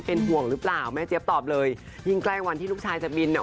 เป็นห่วงหรือเปล่าแม่เจี๊ยบตอบเลยยิ่งใกล้วันที่ลูกชายจะบินอ่ะ